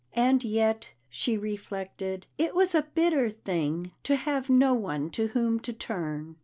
And yet, she reflected, it was a bitter thing to have no one to whom to turn.